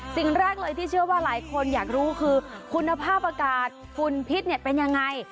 สิ่งแรกเลยที่เชื่อว่าหลายคนอยากรู้คือคุณภาพอากาศฝุ่นพิษเป็นยังไง